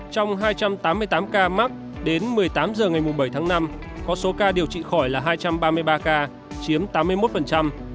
trong hai trăm tám mươi tám ca mắc đến một mươi tám h ngày bảy tháng năm có số ca điều trị khỏi là hai trăm ba mươi ba ca chiếm tám mươi một